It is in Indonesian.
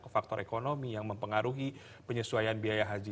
faktor ekonomi yang mempengaruhi penyesuaian biaya haji